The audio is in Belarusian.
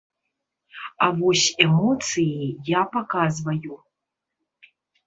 А вось эмоцыі я паказваю.